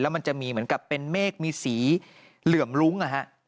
แล้วมันจะมีเหมือนกับเป็นเมฆมีสีเหลื่อมรุ้งอะฮะ